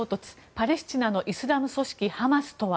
パレスチナのイスラム組織ハマスとは？